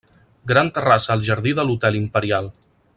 Gran terrassa al jardí de l'Hotel Imperial.